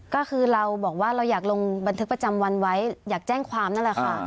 ก็คือเราบอกว่าเราอยากลงบันทึกประจำวันไว้อยากแจ้งความนั่นแหละค่ะ